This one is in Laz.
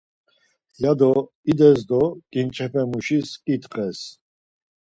ya do ides do ǩinçepe muşis ǩitxes.